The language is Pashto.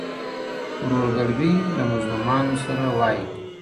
ورور گلوي له مظلومانو سره وایي٫